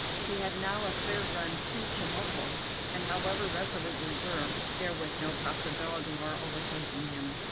He had now a clear run to Chemulpo, and, however resolute we were, there was no possibility of our overtaking him.